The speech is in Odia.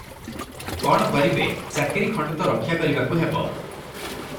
କଣ କରିବେ, ଚାକିରି ଖଣ୍ଡ ତ ରକ୍ଷା କରିବାକୁ ହେବ ।